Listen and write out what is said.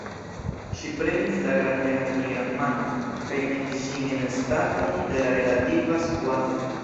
Ŝi prenis la grandegan nigran manon kaj metis ĝin en staton de relativa skuado.